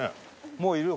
もういるよ。